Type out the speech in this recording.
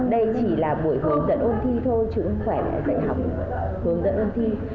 đây chỉ là buổi hướng dẫn ôn thi thôi chứ không phải là dạy học hướng dẫn ôn thi